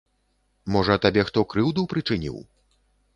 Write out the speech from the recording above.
Можа, табе хто крыўду прычыніў?